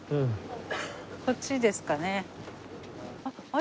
こっちですかね？